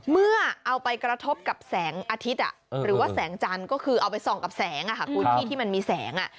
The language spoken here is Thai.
เมื่อเอาไปกระทบกับแสงอาทิตย์หรือว่าแสงจันทร์ก็คือเอาไปส่องกับแสงคุณที่ที่มันมีแสง